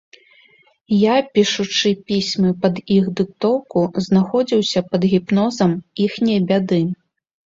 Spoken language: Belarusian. Я, пішучы пісьмы пад іх дыктоўку, знаходзіўся пад гіпнозам іхняй бяды.